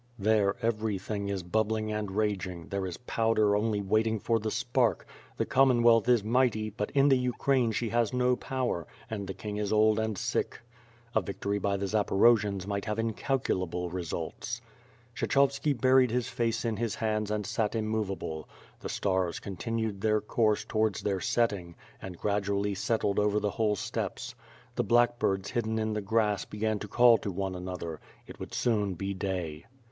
There, everything is bubbling and raging, there is powder only waiting for the spark; the Commonwealth is mighty, but in the Ukraine she has no power, and the king is old and sick. A victory by the Zaporojians might have incalculable re sults. Kshechovski buried his face in his hands and sat immov able; the stars continued their course towards their setting, and gradually settled over the whole steppes. The blackbirds hidden in the grass began to call to one another; it would soon be day.